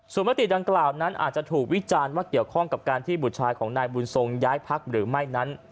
ส่วนมติดังกล่าวนั้นอาจจะถูกวิจารณ์ว่าเกี่ยวข้องกับการที่บุตรชายของนายบุญทรงย้ายพักหรือไม่นั้น